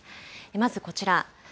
まずこちら。